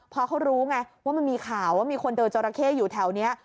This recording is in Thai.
พอเขารู้ไงว่ามันมีข่าวว่ามีคนเจอจราเข้อยู่แถวนี้